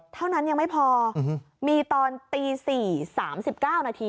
เท่านั้นยังไม่พอมีตอนตี๔๓๙นาที